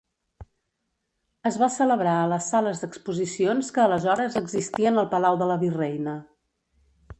Es va celebrar a les sales d’exposicions que aleshores existien al Palau de la Virreina.